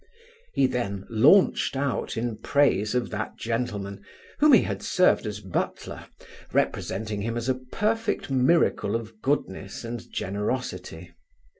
He then launched out in praise of that gentleman, whom he had served as butler, representing him as a perfect miracle of goodness and generosity.